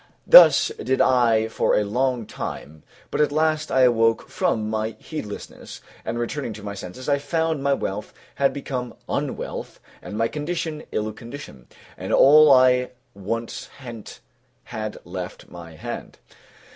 Thus did I for a long time, but at last I awoke from my heedlessness, and returning to my senses, I found my wealth had become unwealth and my condition ill conditioned, and all I once hent had left my hand.